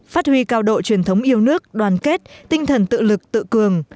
phát huy cao độ truyền thống yêu nước đoàn kết tinh thần tự lực tự cường